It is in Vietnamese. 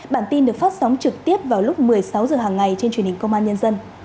bản tin được phát sóng trực tiếp vào lúc một mươi sáu h hàng ngày trên truyền hình công an nhân dân